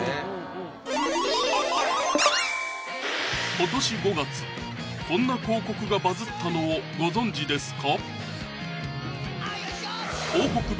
今年５月こんな広告がバズったのをご存じですか？